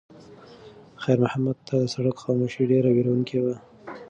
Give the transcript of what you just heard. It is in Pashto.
خیر محمد ته د سړک خاموشي ډېره وېروونکې وه.